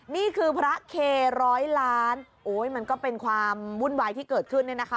นี่คือพระเคร้อยล้านโอ้ยมันก็เป็นความวุ่นวายที่เกิดขึ้นเนี่ยนะคะ